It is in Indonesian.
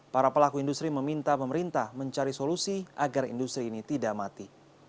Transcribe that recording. para pelaku industri meminta pemerintah mencari solusi agar industri ini tidak mati